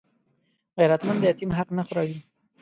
غیرتمند د یتیم حق نه خوړوي